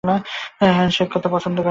Handshake করতে পছন্দ করে।